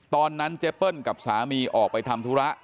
ตอนนั้นเจเปิ้ลกับสามีออกไปทำธุระ